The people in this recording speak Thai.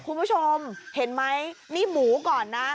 คุณผู้ชมเห็นไหมนี่หมูก่อนนะ